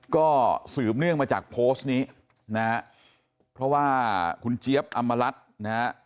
ก็สืบเนื่องมาจากโพสต์นี้นะฮะเพราะว่าคุณเจี๊ยบอำมารัฐนะฮะ